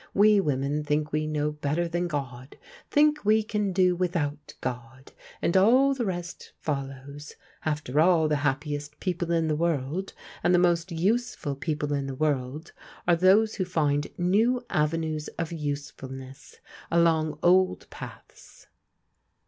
We women think we know better than Grod; think we can do without God, and all the rest follows. After all, the happiest people in the world, and the most useful people in the world are those who find new avenues of usefulness along old paths.